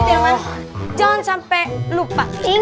jangan sampai lupa